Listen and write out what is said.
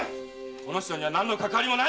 この人には何のかかわりもないんだ！